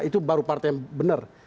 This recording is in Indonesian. itu baru partai yang benar